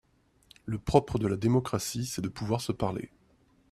Le propre de la démocratie, c’est de pouvoir se parler